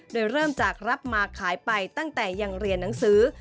โดยเริ่มจากรับมาขายไปตั้งแต่ยังเรียนหนังสือ